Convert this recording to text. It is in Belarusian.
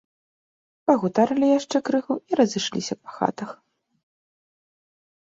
Пагутарылі яшчэ крыху і разышліся па хатах.